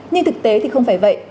nhưng thực tế thì không phải vậy